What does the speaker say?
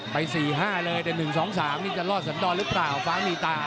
๔๕เลยแต่๑๒๓นี่จะรอดสันดรหรือเปล่าฟ้ามีตา